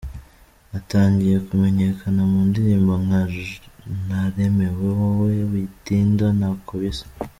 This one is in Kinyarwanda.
Atangiye kumenyekana mu ndirimbo nka Naremewe wowe, Witinda, Ntako bisa.